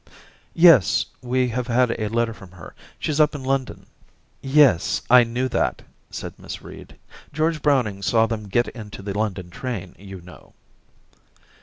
...* Yes, we have had a letter from her. She's up in London.' *Yes, I knew that,' said Miss Reed. 'George Browning saw them get into the London train, you know.'